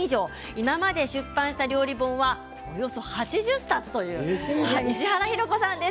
今まで出版した料理本はおよそ８０冊という石原洋子さんです。